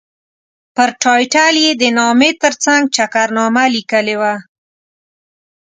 پر ټایټل یې د نامې ترڅنګ چکرنامه لیکلې وه.